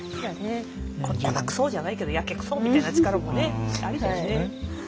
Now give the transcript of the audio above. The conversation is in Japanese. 「こなくそ！」じゃないけどやけくそみたいな力もねありだよね。